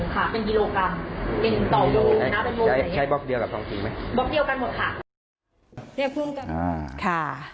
เขาก็จะเป็นส่งค่ะเป็นกิโลกรัม